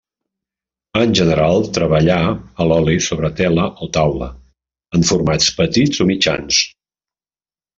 En general treballà a l’oli sobre tela o taula, en formats petits o mitjans.